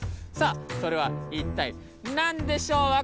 さあそれはいったい何でしょう？